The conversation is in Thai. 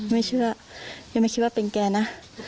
ไม่เชื่ออย่าไม่คิดว่าเป็นแกนะ